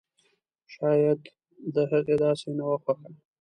شايد د هغې داسې نه وه خوښه!